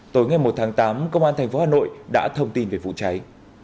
tối ngày một tháng tám công an thành phố hà nội đã thông tin về vụ cháy